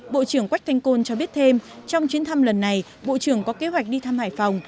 bộ trưởng quách thanh côn cho biết thêm trong chuyến thăm lần này bộ trưởng có kế hoạch đi thăm hải phòng